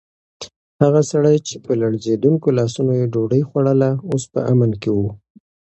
هغه سړی چې په لړزېدونکو لاسونو یې ډوډۍ خوړله، اوس په امن کې و.